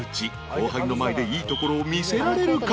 後輩の前でいいところを見せられるか？］